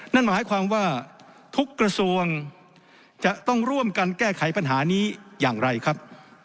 นั่นหมายความว่าทุกกระทรวงจะต้องร่วมกันแก้ไขปัญหานี้อย่างไรครับ